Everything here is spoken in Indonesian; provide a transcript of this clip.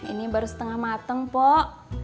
ini baru setengah mateng po